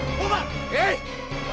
hai' berhenti berhenti tempering berhenti